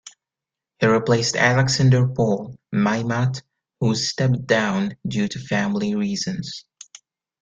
He replaced Alexandre Paul Maymat who stepped down due to family reasons.